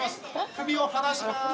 首を離します。